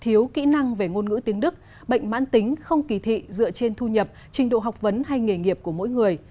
thiếu kỹ năng về ngôn ngữ tiếng đức bệnh mãn tính không kỳ thị dựa trên thu nhập trình độ học vấn hay nghề nghiệp của mỗi người